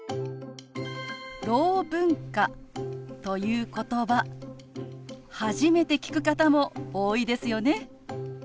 「ろう文化」ということば初めて聞く方も多いですよね。